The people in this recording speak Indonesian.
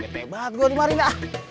gede banget gue di marina